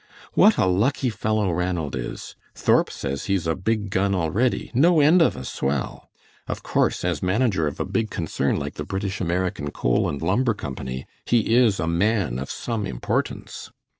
What a lucky fellow Ranald is. Thorp says he's a big gun already. No end of a swell. Of course, as manager of a big concern like the British American Coal and Lumber Company, he is a man of some importance."